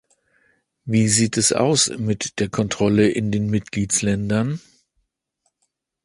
Wie sieht es aus mit der Kontrolle in den Mitgliedsländern?